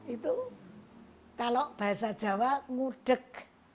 itu kalau bahasa jawa ngudeg